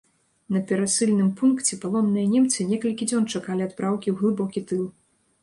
На перасыльным пункце палонныя немцы некалькі дзён чакалі адпраўкі ў глыбокі тыл.